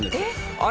あれ？